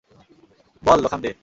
বল, Lokhande.